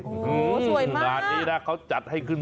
โอ้โฮสวยมากงานนี้เขาจัดให้ขึ้น